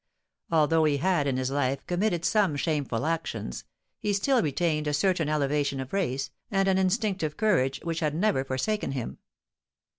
Although he had in his life committed some shameful actions, he still retained a certain elevation of race, and an instinctive courage, which had never forsaken him.